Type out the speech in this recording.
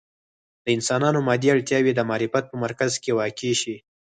د انسانانو مادي اړتیاوې د معرفت په مرکز کې واقع شي.